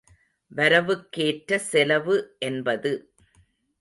வரவுக் கேற்ற செலவு என்பது.